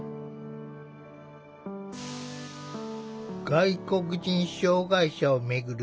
外国人障害者を巡る